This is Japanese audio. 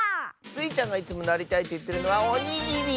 スイちゃんがいつもなりたいといってるのはおにぎり！